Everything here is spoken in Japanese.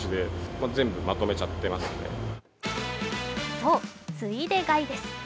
そう、ついで買いです。